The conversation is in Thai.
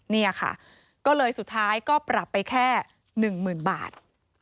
นี่ค่ะก็เลยสุดท้ายก็ปรับไปแค่๑๐๐๐บาท